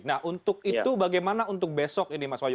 nah untuk itu bagaimana untuk besok ini mas wahyu